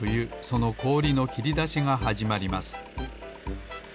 そのこおりのきりだしがはじまります